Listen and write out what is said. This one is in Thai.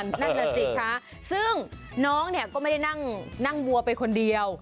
นั่งในสิกนะซึ่งน้องก็ไม่ได้นั่งวัวไปคนเดียว